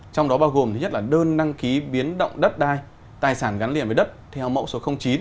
trong đó bao gồm thứ nhất là đơn đăng ký biến động đất đai tài sản gắn liền với đất theo mẫu số chín